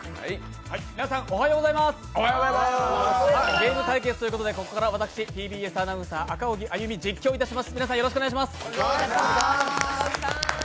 皆さん、おはようございますゲーム対決ということでここからＴＢＳアナウンサー、赤荻歩、実況いたします。